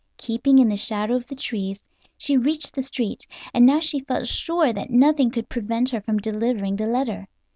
Keeping in the shadow of the trees she reached the street, and now she felt sure that nothing could prevent her from delivering the letter.